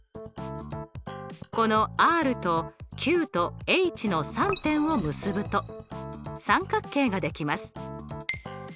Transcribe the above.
このＲとＱとＨの３点を結ぶと三角形ができます。